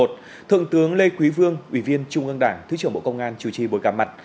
thượng tướng lê quý vương ủy viên trung ương đảng thứ trưởng bộ công an chủ trì buổi gặp mặt